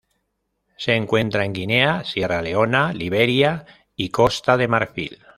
Se encuentra en Guinea, Sierra Leona, Liberia y Costa de Marfil.